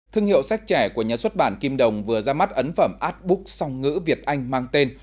thương hiệu sách trẻ của nhà xuất bản kim đồng vừa ra mắt ấn phẩm át búc song ngữ việt anh mang tên